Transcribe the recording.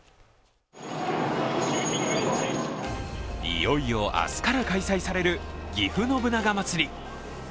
いよいよ明日から開催されるぎふ信長まつり。